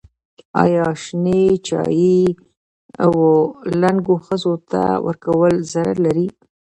ایا شنې چايي و لنګو ښځو ته ورکول ضرر لري؟